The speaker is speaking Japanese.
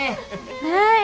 はい。